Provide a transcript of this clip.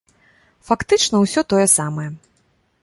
Фактычна ўсё тое самае.